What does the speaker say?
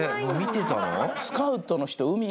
見てたの？